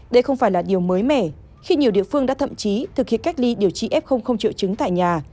đây không phải là điều mới mẻ khi nhiều địa phương đã thậm chí thực hiện cách ly điều trị f triệu chứng tại nhà